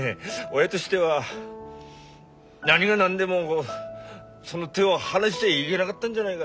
親としては何が何でもその手を離しちゃいげながったんじゃないがって。